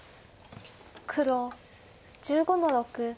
黒１５の六。